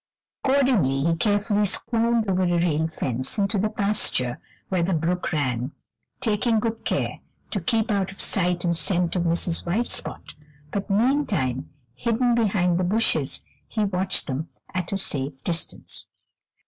Accordingly, he carefully climbed over a rail fence into the pasture where the brook ran, taking good care to keep out of sight and scent of Mrs. White Spot, but meantime, hidden behind the bushes, he watched them at a safe distance.